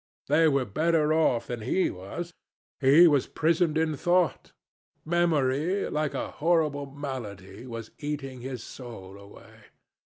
They were better off than he was. He was prisoned in thought. Memory, like a horrible malady, was eating his soul away.